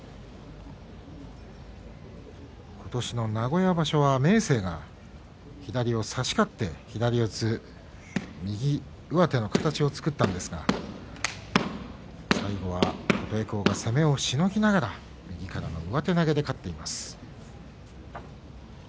今年の名古屋場所は明生が左を差し勝って左四つ右上手の形を作ったんですが最後は琴恵光が攻めをしのぎながら右からの上手投げで勝っています。